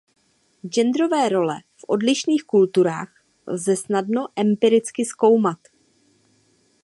Genderové role v odlišných kulturách lze snadno empiricky zkoumat.